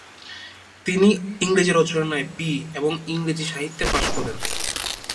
তিনি ইংরেজি রচনায় বি এবং ইংরেজি সাহিত্যে পাস করেন।